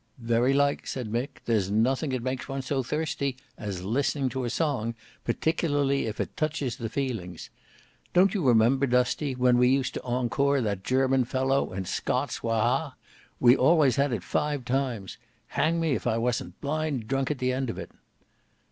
"Very like," said Mick; "there's nothing that makes one so thirsty as listening to a song, particularly if it touches the feelings. Don't you remember, Dusty, when we used to encore that German fellow in 'Scots wha ha.' We always had it five times. Hang me if I wasn't blind drunk at the end of it."